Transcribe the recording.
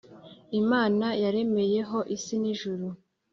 Imana yaremeyeho isi n ijuru